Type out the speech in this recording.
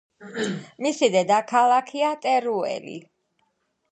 მისი დედაქალაქია ტერუელი.